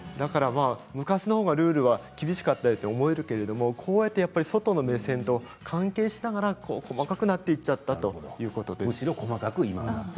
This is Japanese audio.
昔のほうがルールは厳しかったと思うけれどこうやって外の目線と関係しながら細かくなっていってしまったということなんですね。